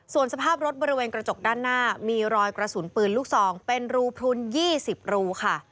สภาพรถบริเวณกระจกด้านหน้ามีรอยกระสุนปืนลูก๒๒วูล